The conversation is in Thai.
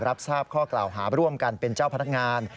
รับทราบข้อกล่าวหาร่วมกันเป็นเจ้าพนักงาน